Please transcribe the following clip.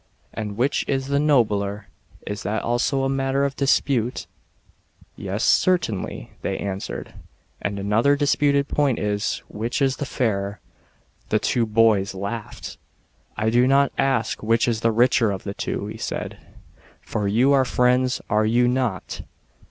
" And which is the nobler ? Is that also a matter of dispute ?" "Yes, certainly/' they answered. " And another disputed point is, 'which is the fairer ?" The two boys laughed. H 114 THE TKIAJL OF SOCRATES. [RO. 399. " I do not ask which is the richer of the two," he said, "for you aie friends, are you not?"